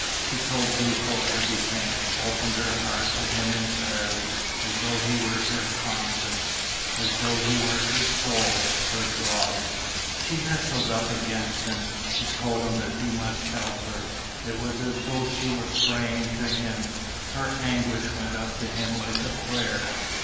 She told Duco everything, opened her heart to him entirely, as though he were her conscience, as though he were her soul, her god. She nestled up against him, she told him that he must help her. It was as though she were praying to him; her anguish went up to him like a prayer.